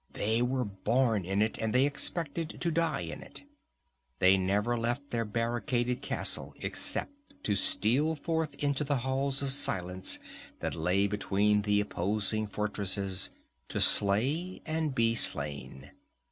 They were born in it, and they expected to die in it. They never left their barricaded castle except to steal forth into the Halls of Silence that lay between the opposing fortresses, to slay and be slain.